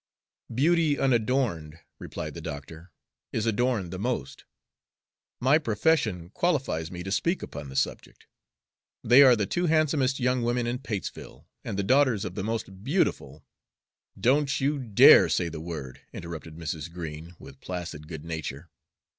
"Beauty unadorned," replied the doctor, "is adorned the most. My profession qualifies me to speak upon the subject. They are the two handsomest young women in Patesville, and the daughters of the most beautiful" "Don't you dare to say the word," interrupted Mrs. Green, with placid good nature.